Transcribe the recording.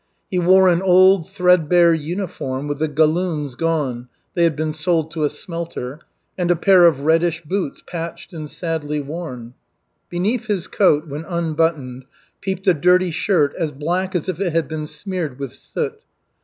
He wore an old, threadbare uniform, with the galloons gone they had been sold to a smelter and a pair of reddish boots, patched and sadly worn. Beneath his coat, when unbuttoned, peeped a dirty shirt, as black as if it had been smeared with soot.